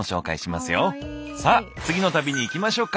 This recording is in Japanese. さあ次の旅に行きましょうか。